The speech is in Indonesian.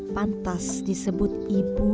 pantas disebut ibu